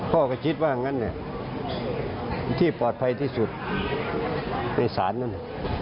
พ่อก็คิดว่างั้นที่ปลอดภัยที่สุดในศาลนั่น